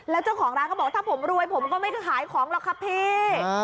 แล้วเจ้าของร้านเขาบอกถ้าผมรวยผมก็ไม่ขายของหรอกครับพี่